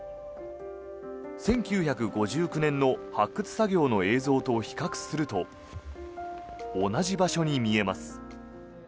１９５９年の発掘作業の映像と比較すると同じ場所に見えます。